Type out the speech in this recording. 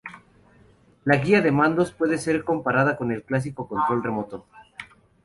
La guía de mandos puede ser comparada con el clásico control remoto.